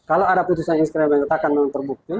ada keputusan yang kera kita akan menuntut bukti